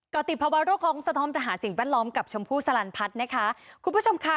ก็ติดภาวะโรคของสะท้อนปัญหาสิ่งแวดล้อมกับชมพู่สลันพัฒน์นะคะคุณผู้ชมค่ะ